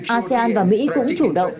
asean và mỹ cũng chủ động